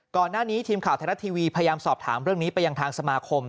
ก่อนหน้านี้ทีมข่าวไทยรัฐทีวีพยายามสอบถามเรื่องนี้ไปยังทางสมาคม